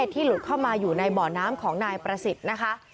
ที่หลุดเข้ามาอยู่ในบ่อน้ำของนายประสิทธิ์นะคะ